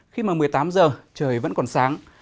khi mà một mươi tám giờ trời vẫn còn sáng